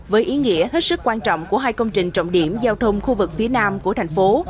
với ý nghĩa hết sức quan trọng của hai công trình trọng điểm giao thông khu vực phía nam của thành phố